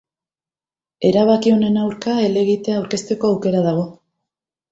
Erabaki honen aurka helegitea aurkezteko aukera dago.